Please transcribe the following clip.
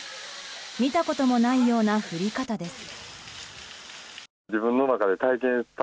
見たこともないような降り方です。